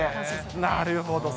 なるほど。